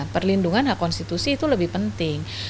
perlindungan hak konstitusi itu lebih penting